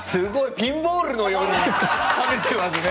ピンボールのように跳ねてますね！